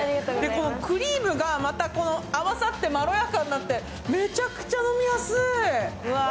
このクリームがまた合わせってまろやかになってめちゃくちゃ飲みやすい。